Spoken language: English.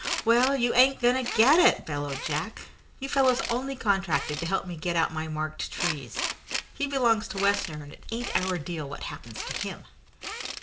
"Well, you ain't going to get it," bellowed Jack. "You fellows only contracted to help me get out my marked trees. He belong to Wessner, and it ain't in our deal what happens to him."